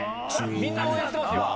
みんな応援してますよ。